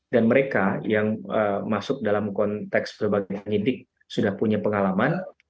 dan mereka yang masuk dalam konteks berbagai nidik sudah punya pengalaman